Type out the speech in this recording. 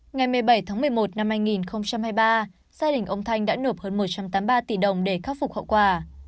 năm hai nghìn hai mươi ba gia đình ông thanh đã nộp hơn một trăm tám mươi ba tỷ đồng để khắc phục hậu quả